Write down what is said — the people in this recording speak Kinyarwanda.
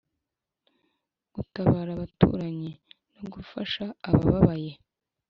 gutabara abaturanyi no gufasha abababaye